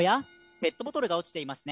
ペットボトルが落ちていますね。